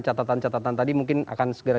catatan catatan tadi mungkin akan segera